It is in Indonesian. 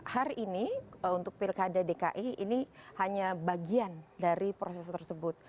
hari ini untuk pilkada dki ini hanya bagian dari proses tersebut